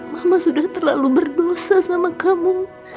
mama sudah terlalu berdosa sama kamu